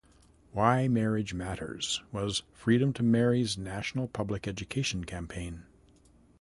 "Why Marriage Matters" was Freedom to Marry's national public education campaign.